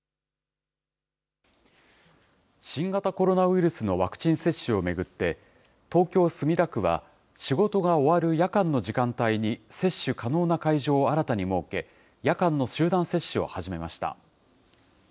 新型コロナウイルスのワクチン接種を巡って、東京・墨田区は、仕事が終わる夜間の時間帯に接種可能な会場を新たに設け、夜間の集団接種を始めました。